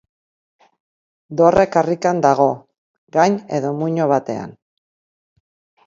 Dorre karrikan dago, gain edo muino batean.